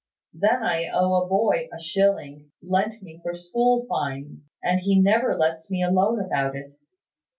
Then I owe a boy a shilling, lent me for school fines; and he never lets me alone about it.